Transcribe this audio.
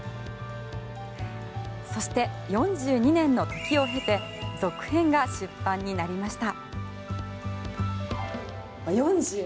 そして、４２年の時を経て続編が出版になりました。